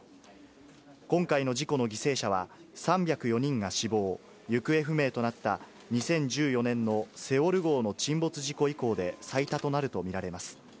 今回の事故の犠牲者は３０４人が死亡・行方不明となった、２０１４年のセウォル号の沈没事故以降で最多となると見られます。